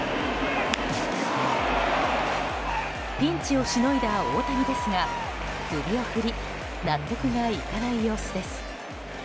ピンチをしのいだ大谷ですが首を振り納得がいかない様子です。